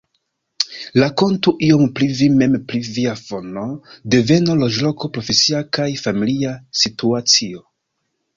Rakontu iom pri vi mem pri via fono, deveno, loĝloko, profesia kaj familia situacio.